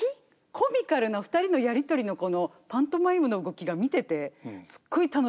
コミカルな２人のやり取りのこのパントマイムの動きが見ててすっごい楽しい。